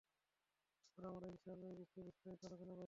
পরে আমরা ইনশাআল্লাহ এ বিষয়ে বিস্তারিত আলোচনা করব।